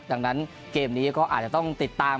ดังนั้นเกมนี้ก็อาจจะต้องติดตาม